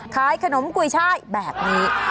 ขายขนมกุยช่ายแบบนี้